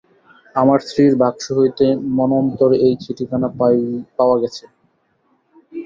আমার স্ত্রীর বাক্স হইতে মন্মথর এই চিঠিখানি পাওয়া গেছে।